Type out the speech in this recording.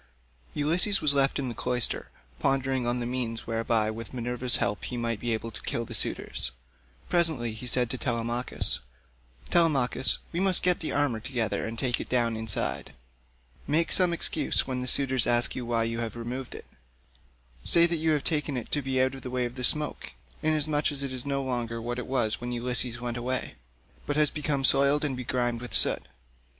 Ulysses was left in the cloister, pondering on the means whereby with Minerva's help he might be able to kill the suitors. Presently he said to Telemachus, "Telemachus, we must get the armour together and take it down inside. Make some excuse when the suitors ask you why you have removed it. Say that you have taken it to be out of the way of the smoke, inasmuch as it is no longer what it was when Ulysses went away, but has become soiled and begrimed with soot.